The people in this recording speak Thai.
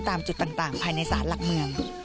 ตามจุดต่างภายในศาลหลักเมือง